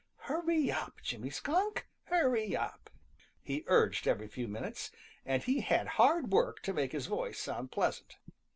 "Hurry up, Jimmy Skunk! Hurry up!" he urged every few minutes, and he had hard work to make his voice sound pleasant.